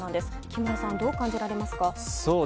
木村さん、どう感じられますか。